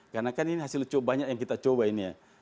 karena kan ini hasil banyak yang kita coba ini ya